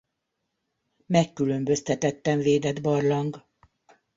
Megkülönböztetetten védett barlang.